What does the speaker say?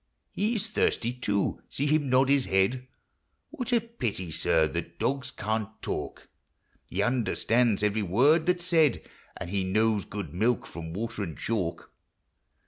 He 's thirsty too, — see him nod his head ? What a pity, sir, that dogs can't talk ! LIFE. 2(31 He understands every word that 's said, — And he knows good milk from water and chalk.